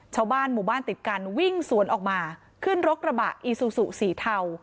ชาวบ้านหมู่บ้านติดกันวิ่งสวนออกมาขึ้นรถกระบะอีซูซูสีเทา